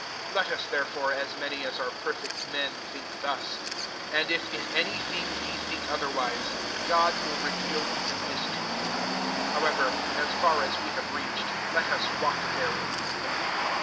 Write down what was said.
15 Let us therefore, as many as are perfect men, think thus: and if in any thing ye think other wise, God will reveal even this to you. 16 However, as far as we have reached, let us walk therein.